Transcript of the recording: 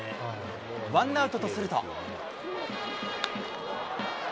ワンアウトとすると。